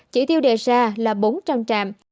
chỉ tiêu đề ra là bốn trăm linh trạm